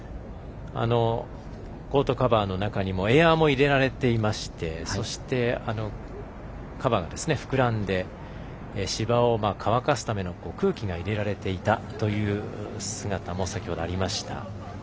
コートカバーの中にもエアーも入れられていましてそして、カバーが膨らんで芝を乾かすための空気が入れられていたという姿も先ほどありました。